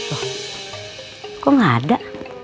oh kok gak ada